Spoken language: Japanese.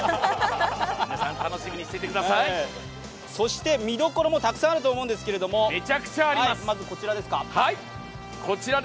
皆さん、楽しみにしていてくださいそして見どころもたくさんあると思うんですけど、まずこちら。